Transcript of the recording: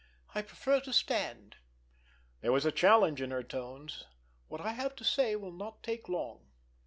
"I prefer to stand." There was a challenge in her tones. "What I have to say will not take long."